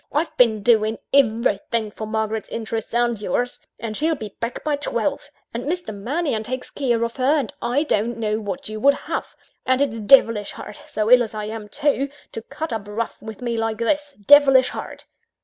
I've been doing everything for Margaret's interests and yours and she'll be back by twelve and Mr. Mannion takes care of her and I don't know what you would have and it's devilish hard, so ill as I am too, to cut up rough with me like this devilish hard!"